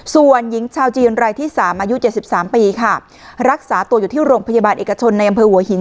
ส่วนหญิงชาวจีนรายที่๓อายุ๗๓ปีค่ะรักษาตัวอยู่ที่โรงพยาบาลเอกชนในอำเภอหัวหิน